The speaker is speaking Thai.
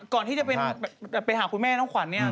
ก่อนที่จะไปหาคุณแม่น้องขวัญเนี่ย